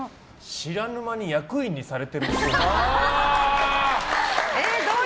知らぬ間に役員にされてるっぽい。